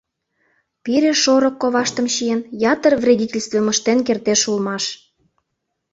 Пире, шорык коваштым чиен, ятыр вредительствым ыштен кертеш улмаш.